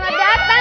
belanda apa temen